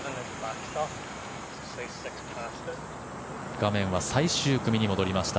画面は最終組に戻りました。